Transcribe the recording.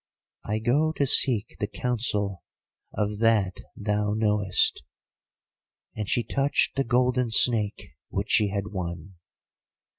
'I go to seek the counsel of That thou knowest,' and she touched the golden snake which she had won.